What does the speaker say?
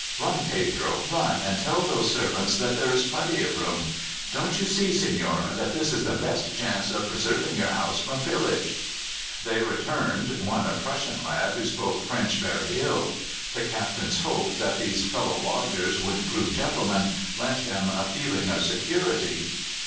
"Run, Pedro, run and tell those servants that there is plenty of room. Don't you see, señora, that this is the best chance of preserving your house from pillage?" They returned one a Prussian lad who spoke French very ill. The Captain's hope that these fellow lodgers would prove gentlemen lent him a feeling of security.